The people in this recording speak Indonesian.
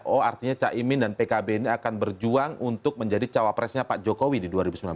oh artinya caimin dan pkb ini akan berjuang untuk menjadi cawapresnya pak jokowi di dua ribu sembilan belas